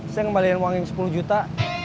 saya ngembalikan uang yang sepuluh juta